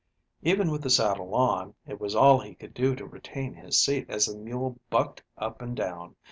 Even with the saddle on, it was all he could do to retain his seat as the mule bucked up and down.